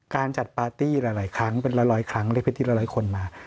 การจัดปาร์ตี้หลายครั้งเป็นร้อยครั้งหรือพื้นที่ละร้อยคนมา